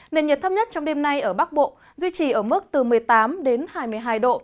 nền nhiệt thấp nhất trong đêm nay ở bắc bộ duy trì ở mức từ một mươi tám đến hai mươi hai độ